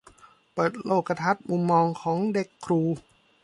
เปิดโลกทัศน์มุมมองของเด็กครู